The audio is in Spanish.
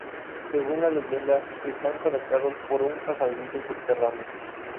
Según la leyenda están conectados por un pasadizo subterráneo.